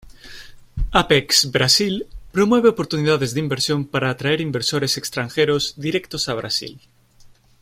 Apex-Brasil promueve oportunidades de inversión para atraer inversores extranjeros directos a Brasil.